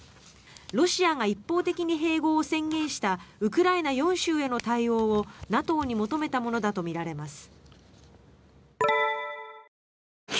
ロシアが一方的に併合を宣言したウクライナ４州への対応をＮＡＴＯに求めたものだとみられます。